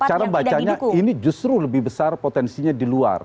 cara bacanya ini justru lebih besar potensinya di luar